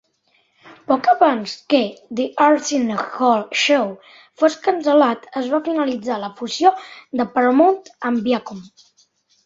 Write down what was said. Poc abans que "The Arsenio Hall Show" fos cancel·lat, es va finalitzar la fusió de Paramount amb Viacom.